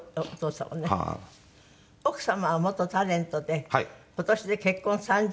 奥様は元タレントで今年で結婚３０年。